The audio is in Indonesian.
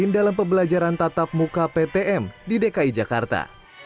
dalam pembelajaran tatap muka ptm di dki jakarta